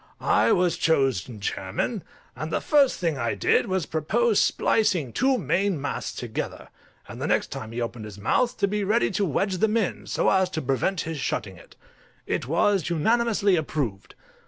I was chosen chairman, and the first thing I did was to propose splicing two main masts together, and the next time he opened his mouth to be ready to wedge them in, so as to prevent his shutting it. It was unanimously approved.